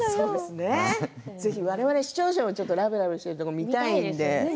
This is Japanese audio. ぜひ我々、視聴者もラブラブしているところを見たいので。